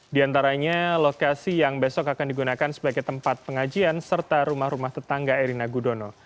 di antaranya lokasi yang besok akan digunakan sebagai tempat pengajian serta rumah rumah tetangga erina gudono